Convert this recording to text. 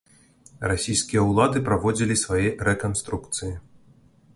Расійскія ўлады праводзілі свае рэканструкцыі.